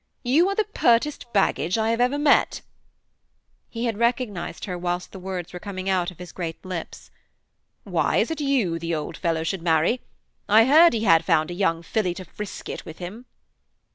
'You are the pertest baggage I have ever met.' He had recognised her whilst the words were coming out of his great lips. 'Why, is it you the old fellow should marry? I heard he had found a young filly to frisk it with him.'